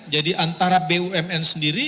jadi antara bumn sendiri